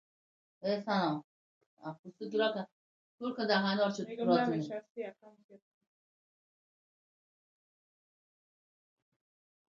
عجيبه خبرې مې اورېدلې.